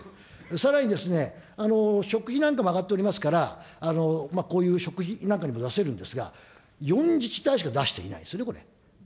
さらに食費なんかも上がっておりますから、こういう食費なんかにも出せるんですが、４自治体しか出してないですね、これ。